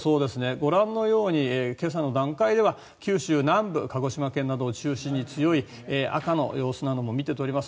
ご覧のように今朝の段階では九州南部、鹿児島県などを中心に強い赤の様子なども見て取れます。